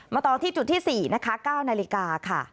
ต่อที่จุดที่๔นะคะ๙นาฬิกาค่ะ